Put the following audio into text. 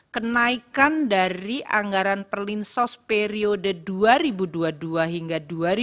kenaikan dari anggaran perlinsos periode dua ribu dua puluh dua hingga dua ribu dua puluh